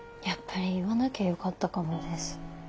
やっぱり言わなきゃよかったかもです。